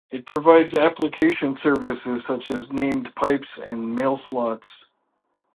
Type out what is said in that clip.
It provides application services such as named pipes and MailSlots.